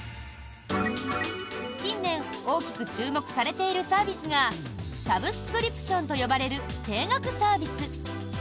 近年、大きく注目されているサービスがサブスクリプションと呼ばれる定額サービス。